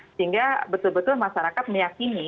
sehingga betul betul masyarakat meyakini